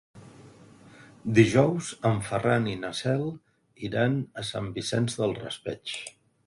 Dijous en Ferran i na Cel iran a Sant Vicent del Raspeig.